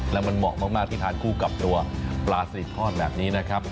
แล้วมันเหมาะมากที่ทานคู่กับตัวปลาสลิดทอดแบบนี้นะครับ